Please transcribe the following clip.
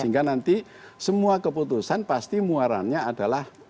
sehingga nanti semua keputusan pasti muaranya adalah